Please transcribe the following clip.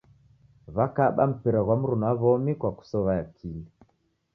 Wakaba mpira ghwa mruna wa w'omi kwa kusow'a akili.